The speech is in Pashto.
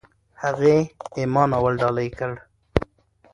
هغې "اِما" ناول ډالۍ کړ.